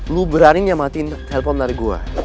lo beraninya matiin telepon dari gue